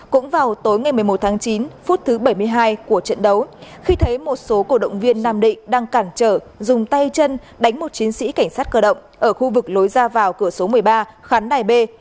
cũng vào tối ngày một mươi một tháng chín phút thứ bảy mươi hai của trận đấu khi thấy một số cổ động viên nam định đang cản trở dùng tay chân đánh một chiến sĩ cảnh sát cơ động ở khu vực lối ra vào cửa số một mươi ba khán đài b